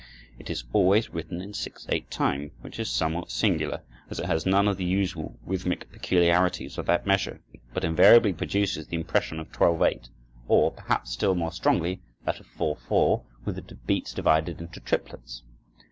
It is always written in six eight time, which is somewhat singular, as it has none of the usual rhythmic peculiarities of that measure, but invariably produces the impression of twelve eight, or, perhaps still more strongly, that of four four with the beats divided into triplets.